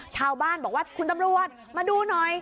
ชาวบ้านบอกว่าคุณตำรวจมาดูหน่อย